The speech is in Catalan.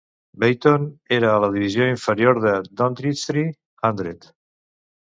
Bayton era a la divisió inferior de Doddingtree Hundred.